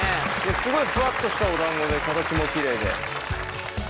すごいふわっとしたおだんごで形もきれいで。